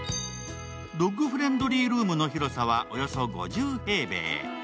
ドッグフレンドリールームの広さはおよそ５０平米。